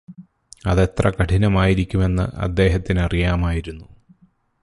അതെത്ര കഠിനമായിരിക്കുമെന്ന് അദ്ദേഹത്തിനറിയാമായിരുന്നു